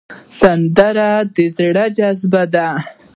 سندره د زړه جذبه ده